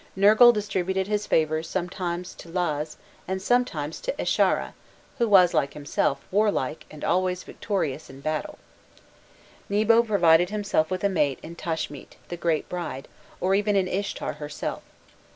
Nergal distributed his favours sometimes to Laz, and sometimes to Esharra, who was, like himself, warlike and always victorious in battle. Nebo provided himself with a mate in Tashmit, the great bride, or even in Ishtar herself.